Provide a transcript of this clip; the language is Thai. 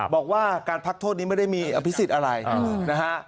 บอกว่าการพักโทษนี้ไม่ได้มีอภิษฎอะไรนะฮะ